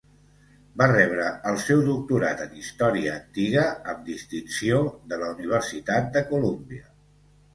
Va rebre el seu doctorat en Història Antiga, amb distinció, de la Universitat de Colúmbia.